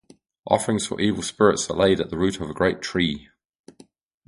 Offerings for evil spirits are laid at the root of a great tree.